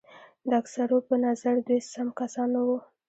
د اکثرو په نظر دوی سم کسان نه وو.